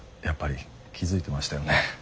やっぱり気付いてましたよね？